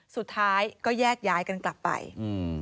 สุดท้ายก็แยกย้ายกันกลับไปอืม